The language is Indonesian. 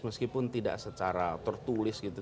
meskipun tidak secara tertulis gitu